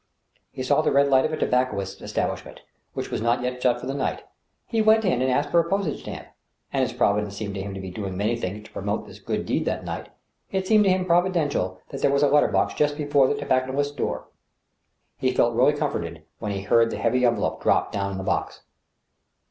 He saw the red lamp of a tobacconist's establishment, which was not yet shut up for the night He went in and asked for a postage stamp, and, as Providence seemed to him to be doing many things to promote this good deed that night, it seemed to him providential that there was a letter box just before the tobacconist's door. He felt really comforted when he heard the heavy envelope drop down in the box.